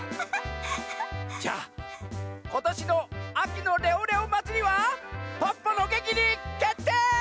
じゃあことしのあきのレオレオまつりはポッポのげきにけってい！